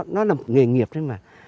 nó là một nghề nghiệp đấy mà